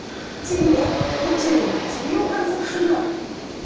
チリで宇宙の塵を観測するの。